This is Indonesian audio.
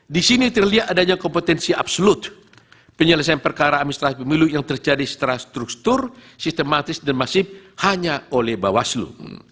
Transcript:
di sini terlihat adanya kompetensi absload penyelesaian perkara administrasi pemilu yang terjadi secara struktur sistematis dan masif hanya oleh bawaslu